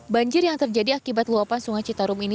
banjir yang terjadi akibat luapan sungai citarum ini